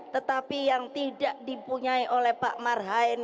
tetapi yang tidak dipunyai oleh pak marhain